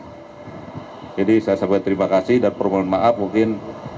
jadi saya sampai terima kasih dan permohon maaf mungkin